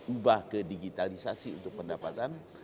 ubah ke digitalisasi untuk pendapatan